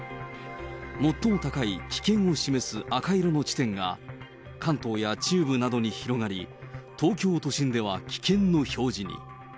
最も高い危険を示す赤色の地点が、関東や中部などに広がり、東京都心では危険の表示に。